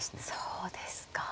そうですか。